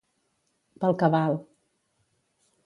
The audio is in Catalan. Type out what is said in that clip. Pel que val.